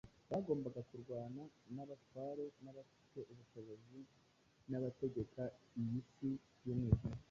Bagombaga kurwana “n’abatware n’abafite ubushobozi n’abategeka iyi si y’umwijima,